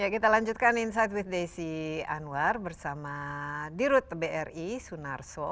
kita lanjutkan insight with desi anwar bersama dirut bri sunarso